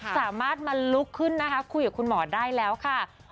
สามารถมาลุกขึ้นนะคะคุยกับคุณหมอได้แล้วค่ะ